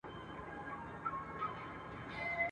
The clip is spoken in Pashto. یو په یو به نیسي ګرېوانونه د قاتل قصاب.